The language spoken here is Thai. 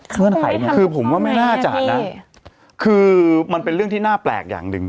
เงื่อนไขเนี่ยคือผมว่าไม่น่าจะนะคือมันเป็นเรื่องที่น่าแปลกอย่างหนึ่ง